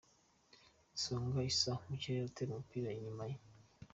Songa Isaie mukirere atera umupira inyuma ye .